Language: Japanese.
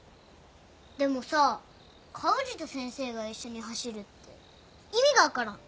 でもさ川藤と先生が一緒に走るって意味が分からん。